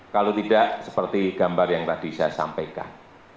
kalau tidak seperti gambar yang tadi saya sampaikan